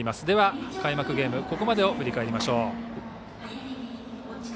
では、開幕ゲームのここまでを振り返りましょう。